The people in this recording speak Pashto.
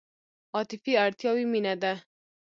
عاطفي اړتیاوې مینه ده.